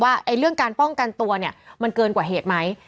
ว่าเรื่องการป้องกันตัวมันเกินกว่าเหตุมั้ย